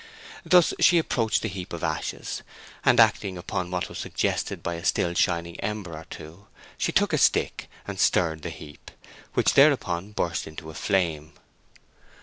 Thus she approached the heap of ashes, and acting upon what was suggested by a still shining ember or two, she took a stick and stirred the heap, which thereupon burst into a flame.